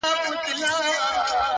دا هډوکی د لېوه ستوني کي بند سو!!